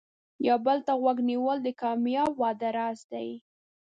یو بل ته غوږ نیول د کامیاب واده راز دی.